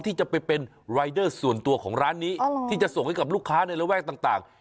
ที่จะไปเป็นรายเดอร์ส่วนตัวของร้านนี้ที่จะส่งให้กับลูกค้าในระแวกต่าง